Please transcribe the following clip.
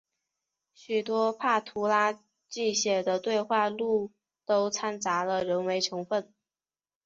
许多柏拉图撰写的对话录都参杂了人为成分。